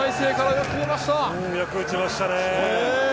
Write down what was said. よく打ちましたね。